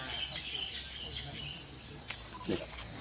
สวัสดีครับ